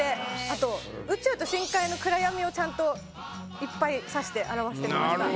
あと宇宙と深海の暗闇をちゃんといっぱい刺して表してみました。